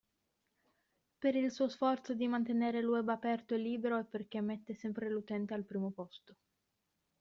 Per il suo sforzo di mantenere il web aperto e libero e perché mette sempre l'utente al primo posto.